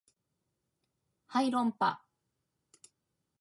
はい論破